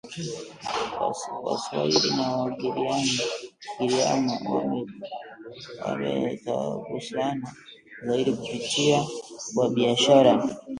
Waswahili na Wagiriama wametagusana zaidi kupitia kwa biashara